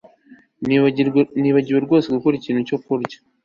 nibagiwe rwose gukora ikintu cyo kurya